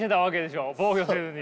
防御せずに。